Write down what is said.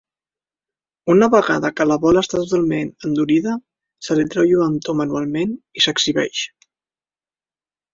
Una vegada que la bola està totalment endurida, se li treu lluentor manualment i s'exhibeix.